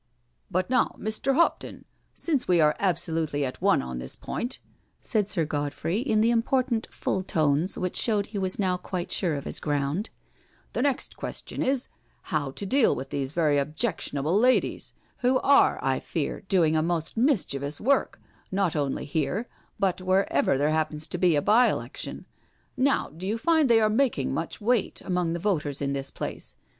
" But now, Mr. Hopton^ since we are absolutely at BRACKENHILL HALL 35 one on this point," said Sir Godfrey in the important full tones which showed he was now quite sure of his ground, " the next question is how to deal with these very objectionable ladies, who are, I fear, doing a most mischievous work, not only here but wherever there happens to be a by election. Now, do you find they are making much weight among the voters in this place?